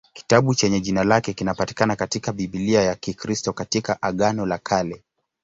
Kitabu chenye jina lake kinapatikana katika Biblia ya Kikristo katika Agano la Kale.